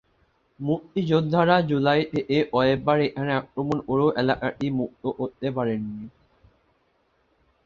মুক্তিযোদ্ধারা জুলাই থেকে কয়েকবার এখানে আক্রমণ করেও এলাকাটি মুক্ত করতে পারেননি।